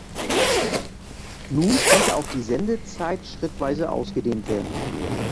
Nun konnte auch die Sendezeit schrittweise ausgedehnt werden.